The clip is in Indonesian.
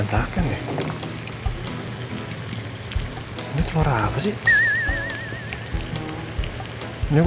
nih kamu kira saya setan